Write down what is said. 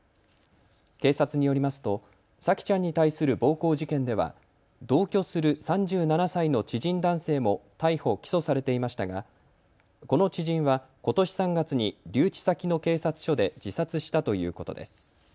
警察によりますと沙季ちゃんに対する暴行事件では同居する３７歳の知人男性も逮捕・起訴されていましたがこの知人はことし３月に留置先の警察署で自殺したということです。